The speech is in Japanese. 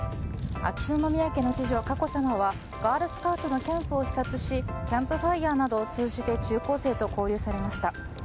秋篠宮家の次女・佳子さまはガールスカウトのキャンプを視察しキャンプファイヤーなどを通じて中高生と交流されました。